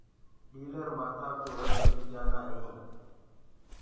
ڏيٚلر مآٿآ ڪو رت پي جآندآ هينٚ۔